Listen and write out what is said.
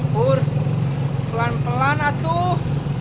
pur pelan pelan atuh